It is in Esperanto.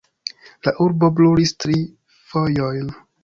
La urbo brulis tri fojojn.